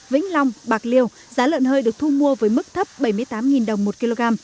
vĩnh long bạc liêu giá lợn hơi được thu mua với mức thấp bảy mươi tám đồng một kg